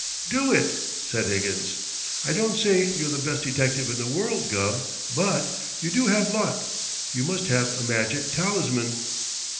"Do it!" said Higgins. "I don't say you're the best detective in the world, Gubb, but you do have luck. You must have a magic talisman."